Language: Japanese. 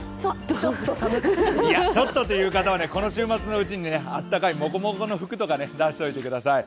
ちょっとという方はこの週末のうちにあったかいもこもこの服とか出しておいてください。